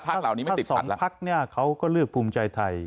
ถ้าทั้งสองภักดิ์เขาก็เลือกภูมิใจไทย